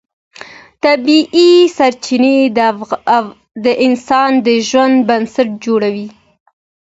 طبیعي سرچینې د انسان د ژوند بنسټ جوړوي